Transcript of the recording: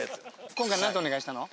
今回何てお願いしたの？